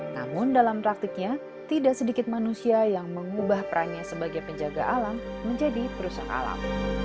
namun dalam praktiknya tidak sedikit manusia yang mengubah perannya sebagai penjaga alam menjadi perusahaan alam